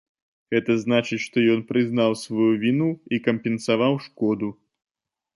Гэта значыць, што ён прызнаў сваю віну і кампенсаваў шкоду.